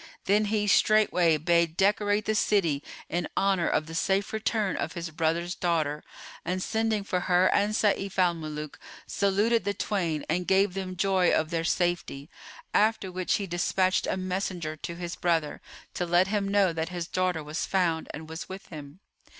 Then he straightway bade decorate the city in honour of the safe return of his brother's daughter, and sending for her and Sayf al Muluk, saluted the twain and gave them joy of their safety; after which he despatched a messenger to his brother, to let him know that his daughter was found and was with him.